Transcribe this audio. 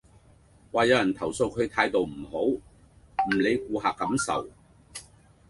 話有人投訴佢態度唔好，唔理顧客感受